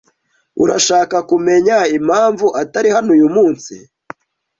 Urashaka kumenya impamvu atari hano uyu munsi?